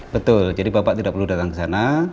betul jadi bapak tidak perlu datang ke sana